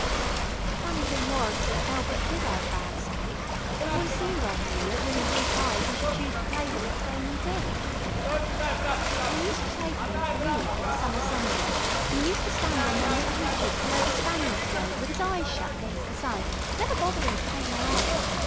The funny thing was thet Elbert did 'ave bad sight, it always seemed odd to me thet with 'is weak eyes 'e should choose to play the little game 'e did. I use to take 'im to the 'Eath of a summer Sunday, an' 'e use to stand on them little ridges below the Spaniards Road, with 'is eyes shut against the sun, never botherin' to take no aim.